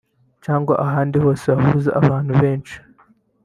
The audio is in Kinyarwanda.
cyangwa ahandi hose hahuza abantu benshi